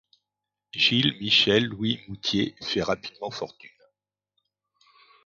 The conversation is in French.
Gilles Michel Louis Moutier fait rapidement fortune.